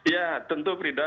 ya tentu prida